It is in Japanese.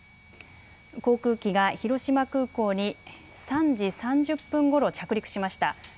航空機が広島空港に３時３０分ごろ着陸しました。